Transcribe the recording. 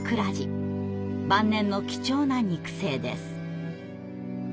晩年の貴重な肉声です。